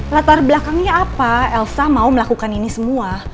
latar belakangnya apa elsa mau melakukan ini semua